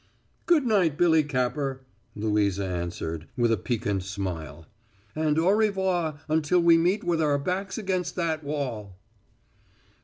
"Good night, Billy Capper," Louisa answered, with a piquant smile. "And au revoir until we meet with our backs against that wall."